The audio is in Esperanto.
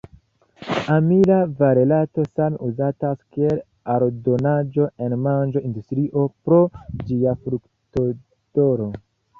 Amila valerato same uzatas kiel aldonaĵo en manĝo-industrio pro ĝia fruktodoro.